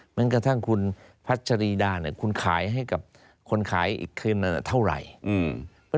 แม้กระทั่งคุณพัชรีดาเนี่ยคุณขายให้กับคนขายอีกคืนนึงเท่าไหร่